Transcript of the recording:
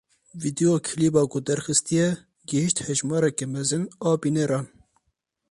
Vîdeoklîba ku derxistiye gihîşt hejmareke mezin a bîneran.